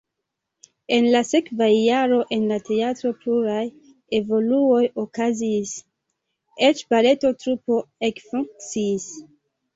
En la sekvaj jaroj en la teatro pluraj evoluoj okazis, eĉ baleto trupo ekfunkciis.